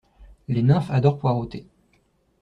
Les nymphes adorent poireauter.